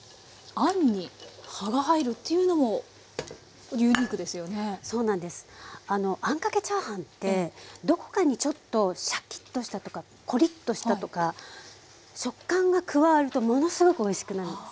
あのあんかけチャーハンってどこかにちょっとシャキッとしたとかコリッとしたとか食感が加わるとものすごくおいしくなるんです。